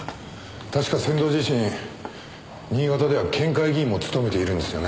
確か仙堂自身新潟では県会議員も務めているんですよね？